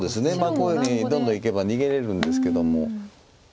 こういうふうにどんどんいけば逃げれるんですけども。